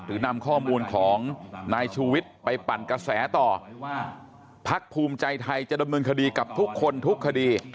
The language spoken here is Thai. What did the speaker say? นำข้อมูลของนายชูวิทย์ไปปั่นกระแสต่อว่าพักภูมิใจไทยจะดำเนินคดีกับทุกคนทุกคดี